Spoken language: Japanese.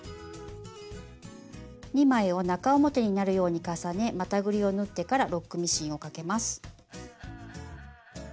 ２枚を中表になるように重ねまたぐりを縫ってからロックミシンをかけます。